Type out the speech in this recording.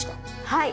はい。